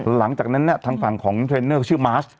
หลังจากนั้นเนี่ยทางฝั่งของเทรนเนอร์ชื่อมาส